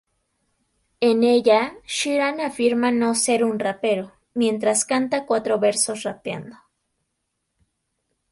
En ella, Sheeran afirma no ser un rapero, mientras canta cuatro versos rapeando.